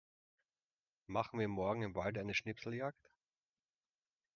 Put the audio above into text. Machen wir morgen im Wald eine Schnipseljagd?